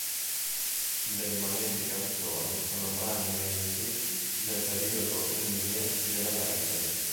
Le rimanenti canzoni sono brani inediti del periodo indie della band.